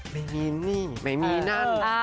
ไม่มีหนี้ไม่มีนั่น